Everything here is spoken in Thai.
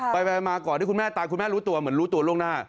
ไปมาก่อนที่คุณแม่ตายคุณแม่รู้ตัวเหมือนรู้ตัวล่วงหน้า